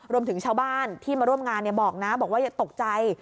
รวมถึงชาวบ้านที่มาร่วมงานบอกนะบอกว่าอย่าตกใจ